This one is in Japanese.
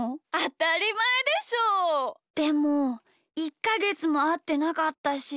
でもいっかげつもあってなかったし。